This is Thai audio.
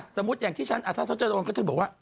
สมมุติอย่างที่ฉันอาทธาตุธรรมก็คือบอกว่า